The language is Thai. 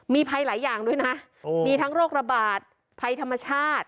มีภัยหลายอย่างด้วยนะมีทั้งโรคระบาดภัยธรรมชาติ